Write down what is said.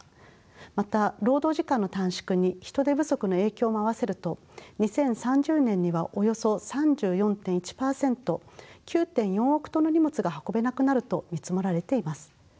また労働時間の短縮に人手不足の影響も合わせると２０３０年にはおよそ３４．１％９．４億トンの荷物が運べなくなると見積もられています。